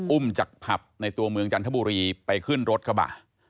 อุ้มจากผับในตัวเมืองจันทบุรีไปขึ้นรถกระบะ